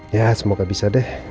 ya semoga bisa deh